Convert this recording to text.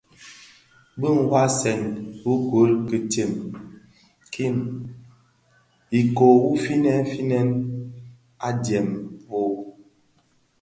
Bi ňwasèn ugôl Kitsem kin kōton ikōō u finèn finèn adyèn fō.